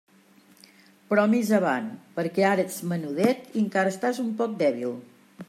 Però més avant, perquè ara ets menudet i encara estàs un poc dèbil.